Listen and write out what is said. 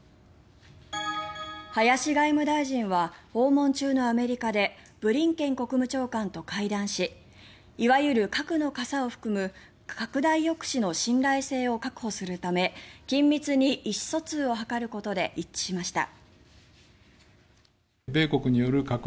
林外務大臣は訪問中のアメリカでブリンケン国務長官と会談しいわゆる核の傘を含む拡大抑止の信頼性を確保するため緊密に意思疎通を図ることで一致しました。